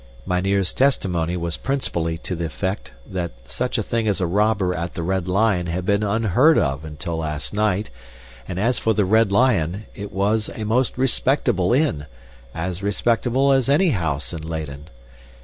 Mynheer's testimony was principally to the effect that such a thing as a robber at the Red Lion had been unheard of until last night, and as for the Red Lion, it was a most respectable inn, as respectable as any house in Leyden.